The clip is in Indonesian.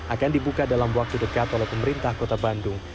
akan dibuka dalam waktu dekat oleh pemerintah kota bandung